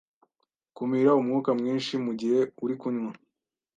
Kumira umwuka mwinshi mu gihe uri kunywa